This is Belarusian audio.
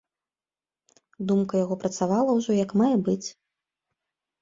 Думка яго працавала ўжо як мае быць.